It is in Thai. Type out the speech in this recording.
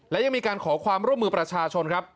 และยังมีการขอความร่วมมือประชาชนครับ